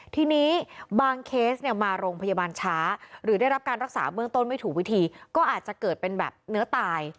ทีนี้บางเคสเนี่ยมาโรงพยาบาลช้าหรือได้รับการรักษาเบื้องต้นไม่ถูกวิธีก็อาจจะเกิดเป็นแบบเนื้อตาย